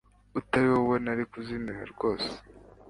utari wowe nari kuzimira rwose